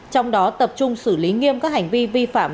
trong đó tập trung xử lý nghiêm các hành vi vi phạm